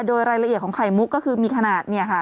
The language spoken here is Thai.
โดยรายละเอียดของไข่มุกก็คือมีขนาดเนี่ยค่ะ